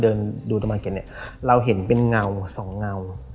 พอเดินดูประมาณเก็ตเราเห็นเป็นเงาสองเงา